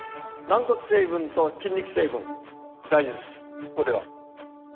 軟骨成分と筋肉成分大事です